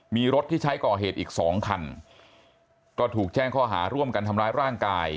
มีรถที่ใช้ก่อเหตุอีกสองคันก็ถูกแจ้งข้อหาร่วมกันทำร้ายร่างกาย